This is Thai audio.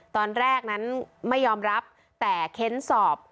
ตอนแรกนั้นไม่ยอมรับแต่เค้นสอบ